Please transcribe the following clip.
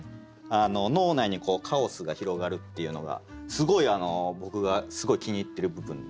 脳内にカオスが広がるっていうのが僕がすごい気に入ってる部分で。